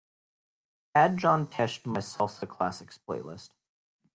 Add John Tesh to my salsa classics playlist